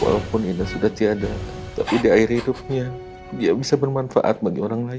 walaupun indah sudah tiada tapi di akhir hidupnya ya bisa bermanfaat bagi orang lain